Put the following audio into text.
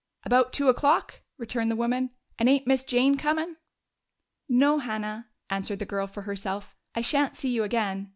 "About two o'clock," returned the woman. "And ain't Miss Jane comin'?" "No, Hannah," answered the girl for herself. "I shan't see you again.